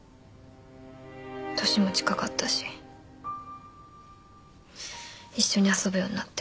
年も近かったし一緒に遊ぶようになって。